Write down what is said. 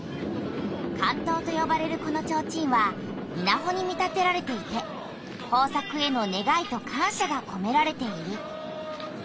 竿燈とよばれるこのちょうちんはいなほに見立てられていてほう作への願いと感しゃがこめられている。